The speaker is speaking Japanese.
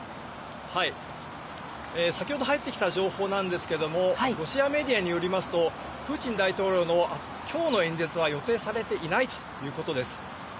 先ほど入ってきた情報なんですけども、ロシアメディアによりますと、プーチン大統領のきょうの演説は、予定されていないということです。